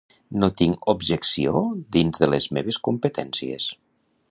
No tinc objecció dins de les meves competències.